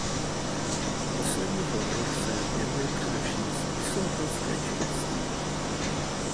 V posledních letech se věnuje především spisovatelské činnosti.